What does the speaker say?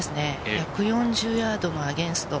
１４０ヤードのアゲンスト。